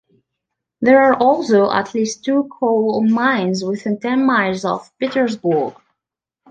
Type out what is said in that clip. There are also at least two coal mines within ten miles of Petersburg.